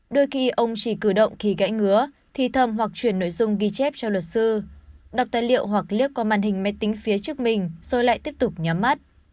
đôi khi ông chỉ cử động khi gãy ngứa thì thầm hoặc chuyển nội dung ghi chép cho luật sư đọc tài liệu hoặc liếc qua màn hình máy tính phía trước mình rồi lại tiếp tục nhắm mắt